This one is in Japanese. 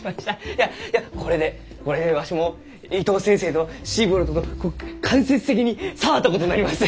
いやいやこれでこれでわしも伊藤先生とシーボルトと間接的に触ったことになります！